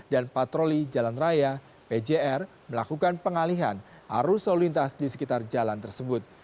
dan patroli jalan raya pjr melakukan pengalian arus lintas di sekitar jalan tersebut